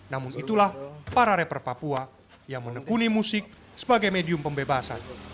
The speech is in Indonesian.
namun itulah para rapper papua yang menekuni musik sebagai medium pembebasan